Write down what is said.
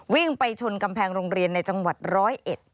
วิ่งไปชนกำแพงโรงเรียนในจังหวัดร้อยเอ็ด